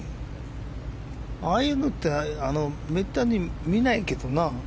ああいうのってめったに見ないけどな。